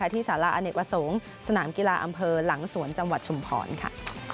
ที่สาระอเนกประสงค์สนามกีฬาอำเภอหลังสวนจังหวัดชุมพรค่ะ